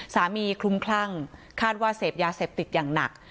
คลุมคลั่งคาดว่าเสพยาเสพติดอย่างหนัก